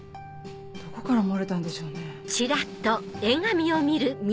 どこから漏れたんでしょうね？